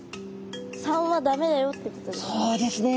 ３はだめだよってことですか？